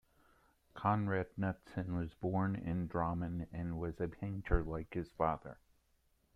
Konrad Knudsen was born in Drammen, and was a painter like his father.